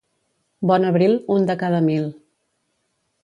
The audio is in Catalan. Bon abril, un de cada mil.